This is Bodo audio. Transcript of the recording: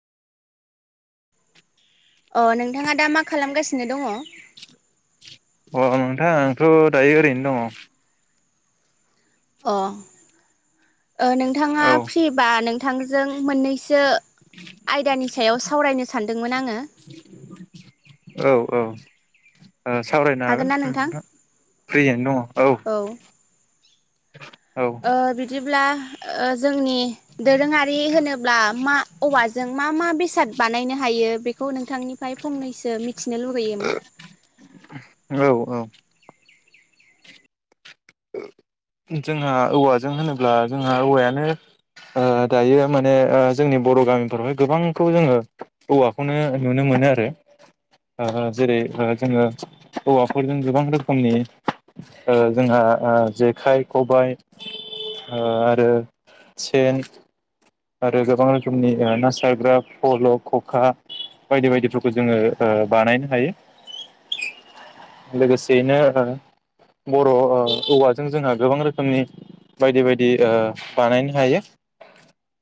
अह नोंथाङा दा मा खालामगासिनो दङ? अह नोंथां आंथ' दायो ओरैनो दङ। अह। ओ नोंथाङा औ फ्रिबा नोंथांजों मोननैसो आयदानि सायाव सावरायनो सानदोंमोन आङो। ओ सावरायनो हागोन ना ओं नोंथां? नोंथा। फ्रियैनो दङ औ। औ ओ बिदि ब्ला ओ जोंनि दोरोङारि होनोब्ला मा औवाजों मा मा बेसाद बानायनो हायो बेखौ नोंथांनिफाय फंनैसो मिथिनो लुगैयोमोन। औ औ जोंहा औवाजों होनोब्ला जोंहा औवायानो ओ दायो माने ओ जोंनि बर' गामिफोरावहाय गोबांखौ जोङो औवाखौनो नुनो मोनो आरो ओ जेरै ओ जोङो औवाफोरजों गोबां रोखोमनि ओ जोंहा ओ जेखाइ, खबाइ ओ आरो सेन आरो गोबां रोखोमनि ना सारग्रा फल', खखा बायदि बायदिफोरखौ जोङो बानायनो हायो लोगोसेयैनो ओ बर' ओ औवाजों जोंहा गोबां रोखोमनि बायदि बायदि ओ बानायनो हायो।